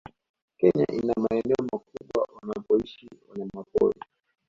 Kenya ina maeneo makubwa wanapoishi wanyamapori